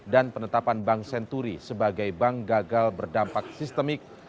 dan penetapan bank senturi sebagai bank gagal berdampak sistemik